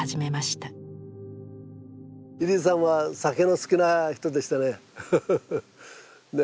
位里さんは酒の好きな人でしたね。